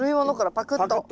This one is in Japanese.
パクッと。